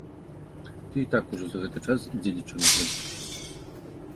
Ты і так ужо за гэты час дзедзічам зрабіўся.